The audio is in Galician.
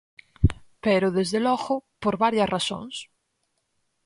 Pero, desde logo, por varias razóns.